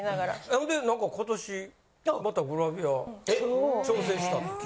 ほんでなんか今年またグラビア挑戦したって。